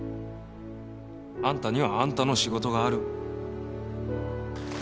「あんたにはあんたの仕事がある」